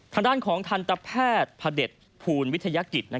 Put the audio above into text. ทางด้านของทันตแพทย์พระเด็จภูลวิทยากิจ